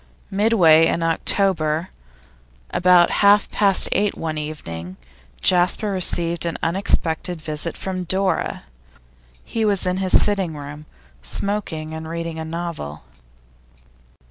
Midway in October, about half past eight one evening, Jasper received an unexpected visit from Dora. He was in his sitting room, smoking and reading a novel.